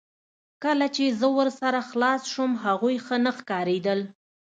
کله چې زه ورسره خلاص شوم هغوی ښه نه ښکاریدل